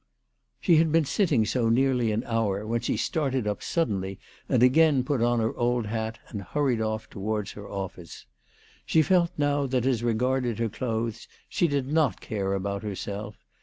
She had been sitting so nearly an hour when she started up suddenly and again put on her old hat and hurried off towards her office. She felt now that as regarded her clothes she did not care about herself.